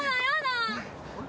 あれ？